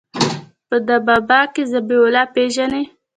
په ده بابا کښې ذبيح الله پېژنې.